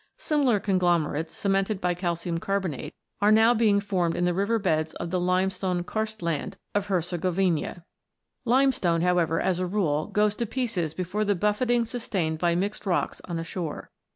Similar conglomerates, cemented by calcium carbonate, are now being formed in the river beds of the limestone karstland of Hercegovina. Limestone, however, as a rule goes to pieces before the buffetings sustained by mixed rocks on a shore.